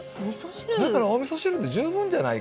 だからおみそ汁で十分じゃないかと。